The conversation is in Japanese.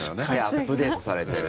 アップデートされてる。